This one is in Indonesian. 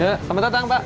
ya selamat datang pak